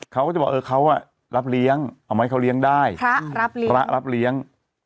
เขาก็จะบอกเออเขารับเลี้ยงเอามาให้เขาเลี้ยงได้พระรับเลี้ยงพระรับเลี้ยง